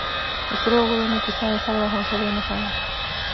د سرو غرونو کیسه د صبر او حوصلې نښه ده.